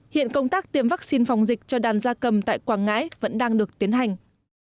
hiện công tác tiêm vaccine phòng dịch cho đàn gia cầm tại quảng ngãi vẫn đang được tiến hành